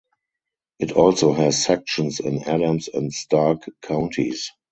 It also has sections in Adams and Stark counties.